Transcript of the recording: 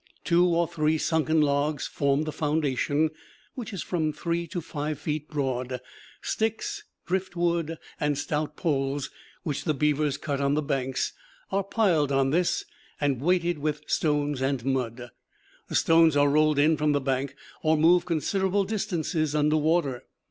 Two or three sunken logs form the foundation, which is from three to five feet broad. Sticks, driftwood, and stout poles, which the beavers cut on the banks, are piled on this and weighted with stones and mud. The stones are rolled in from the bank or moved considerable distances under water.